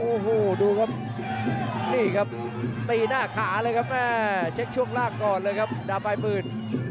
โอ้โหดูครับนี่ครับตีหน้าขาเลยครับแม่เช็คช่วงล่างก่อนเลยครับดาปลายปืน